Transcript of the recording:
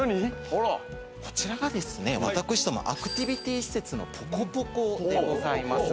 こちらが私どもアクティビティー施設のＰＯＫＯＰＯＫＯでございます。